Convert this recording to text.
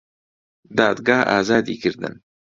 دادگا ئازادی کردن